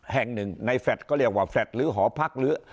แห่งหนึ่งในแฟลตก็เรียกว่าแฟลตหรือหอพักหรือ